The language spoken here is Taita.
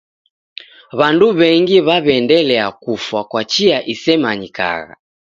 W'andu w'engi w'aw'iaendelia kufwa kwa chia isemanyikagha.